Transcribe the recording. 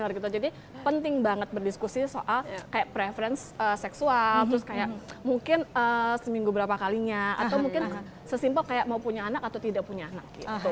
yes benar jadi penting banget berdiskusi soal preference seksual mungkin seminggu berapa kalinya atau mungkin sesimpel kayak mau punya anak atau tidak punya anak